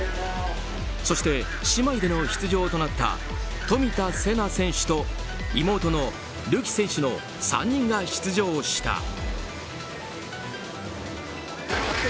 そして、姉妹での出場となった冨田せな選手と妹のるき選手の３人が出場した。